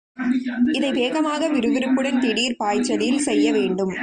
இதை வேகமாக, விறுவிறுப்புடன், திடீர் பாய்ச்சலில் செய்ய வேண்டும்.